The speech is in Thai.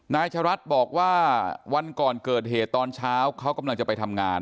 นายชะรัฐบอกว่าวันก่อนเกิดเหตุตอนเช้าเขากำลังจะไปทำงาน